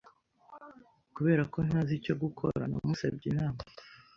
Kubera ko ntazi icyo gukora, namusabye inama.